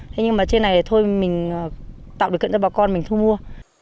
thế nhưng mà trên này thì thôi mình tạo được cận cho bà con mình thu mua